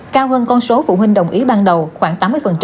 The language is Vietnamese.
cao hơn con số phụ huynh đồng ý ban đầu khoảng tám mươi